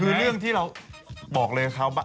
คือเรื่องที่เราบอกเลยครับ